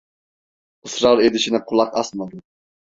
Israr edişine kulak asmadı.